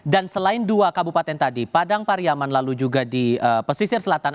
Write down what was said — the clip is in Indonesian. dan selain dua kabupaten tadi padang paryaman lalu juga di pesistir selatan